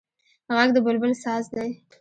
غږ د بلبل ساز دی